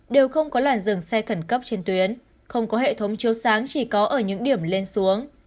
đều không có làn dừng xe khẩn cấp trên tuyến không có hệ thống chiếu sáng chỉ có ở những điểm lên xuống